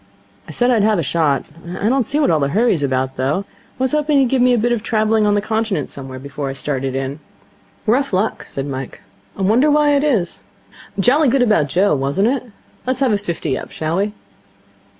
I said I'd have a shot. I don't see what all the hurry's about, though. I was hoping he'd give me a bit of travelling on the Continent somewhere before I started in.' 'Rough luck,' said Mike. 'I wonder why it is. Jolly good about Joe, wasn't it? Let's have fifty up, shall we?'